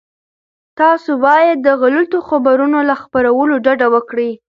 تاسي باید د غلطو خبرونو له خپرولو ډډه وکړئ.